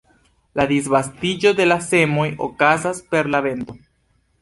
La disvastiĝo de la semoj okazas per la vento.